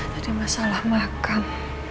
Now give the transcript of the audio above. tadi masalah makam